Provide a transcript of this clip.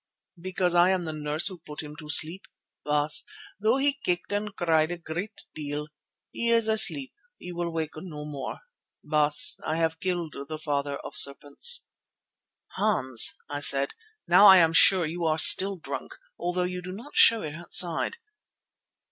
"Because I am the nurse who put him to sleep, Baas, though he kicked and cried a great deal. He is asleep; he will wake no more. Baas, I have killed the Father of Serpents." "Hans," I said, "now I am sure that you are still drunk, although you do not show it outside."